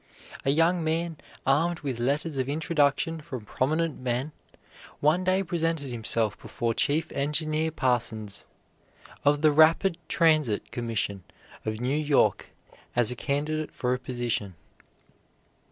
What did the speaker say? A young man, armed with letters of introduction from prominent men, one day presented himself before Chief Engineer Parsons, of the Rapid Transit Commission of New York as a candidate for a position.